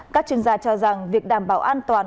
các chuyên gia cho rằng việc đảm bảo an toàn